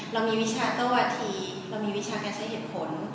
เรามีวิชาเตอร์วาทีเรามีวิชาการใช้เหตุผล